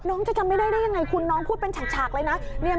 น้องจะจำไม่ได้ได้ยังไงคุณน้องพูดเป็นฉากเลยนะ